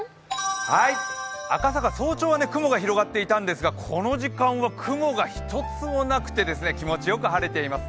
赤坂、早朝は雲が広がっていたんですが、この時間は雲が一つもなくて、気持ちよく晴れています。